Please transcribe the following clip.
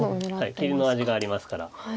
切りの味がありますから。